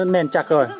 nền chặt rồi